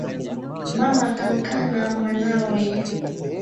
Mame kankana mwanawe